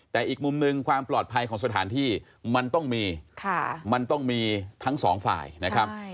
แต่อีกมุมหนึ่งความปลอดภัยของสถานที่มันต้องมีมันต้องมีทั้งสองฝ่ายนะครับ